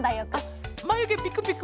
まゆげピクピク。